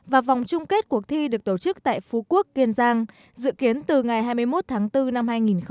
và vòng chung kết cuộc thi được tổ chức tại phú quốc kiên giang dự kiến từ ngày hai mươi một tháng bốn năm hai nghìn hai mươi